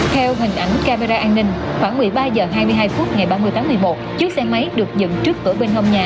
theo hình ảnh camera an ninh khoảng một mươi ba h hai mươi hai phút ngày ba mươi tháng một mươi một chiếc xe máy được dựng trước cửa bên hông nhà